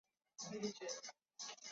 后来在家中去世。